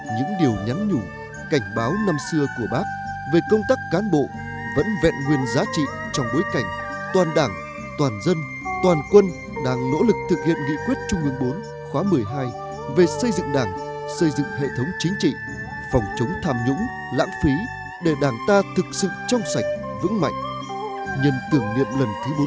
những điều nhắn nhủ cảnh báo năm xưa của bác về công tác cán bộ vẫn vẹn nguyên giá trị trong bối cảnh toàn đảng toàn dân toàn quân đang nỗ lực thực hiện nghị quyết trung ương bốn khóa một mươi hai về xây dựng đảng xây dựng hệ thống chính trị phòng chống tham nhũng lãng phí để đảng ta thực sự trong sạch vững mạnh